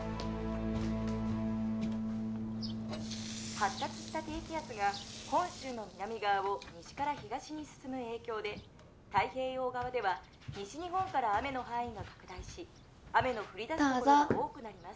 「発達した低気圧が本州の南側を西から東に進む影響で太平洋側では西日本から雨の範囲が拡大し雨の降り出す所が多くなります」